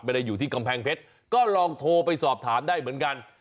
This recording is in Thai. ไม่ได้อยู่ที่กำแพงเพชรก็ลองโทรไปสอบถามได้เหมือนกัน